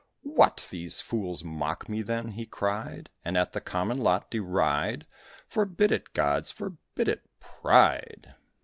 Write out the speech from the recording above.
"What! these fools mock me, then?" he cried, "And at the common lot deride? Forbid it, gods! forbid it, pride!"